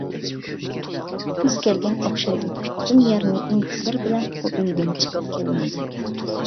كۈز كەلگەن ئوخشايدۇ كۈتتۈم يارنى ئىنتىزار بىلەن ئۇ ئۆيىدىن چىقىپ كەلمەيدۇ.